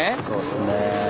そうっすね。